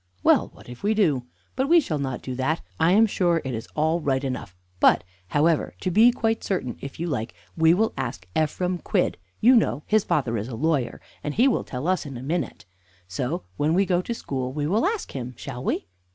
"Well, what if we do? But we shall not do that. I am sure it is all right enough. But, however, to be quite certain, if you like we will ask Ephraim Quidd. You know, his father is a lawyer, and he will tell us in a minute. So when we go to school we will ask him, shall we?"